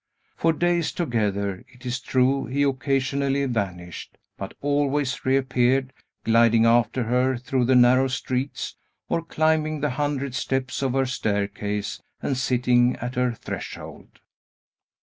For days together, it is true, he occasionally vanished, but always reappeared, gliding after her through the narrow streets, or climbing the hundred steps of her staircase and sitting at her threshold.